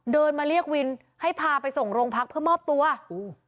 เดินมาเรียกวินให้พาไปส่งโรงพักเพื่อมอบตัวโอ้โห